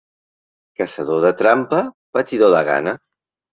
Caçador de trampa, patidor de gana.